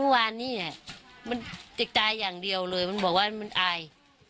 เมื่อวานนี้มันติดตายอย่างเดียวเลยมันบอกว่ามันอาย